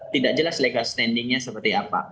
tidak jelas legal standingnya seperti apa